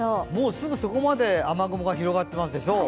すぐそこまで雨雲が広がっていますでしょう。